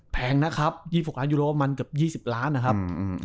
แพงนะครับ๒๖ล้านยูโรมันเกือบ๒๐ล้านนะครับ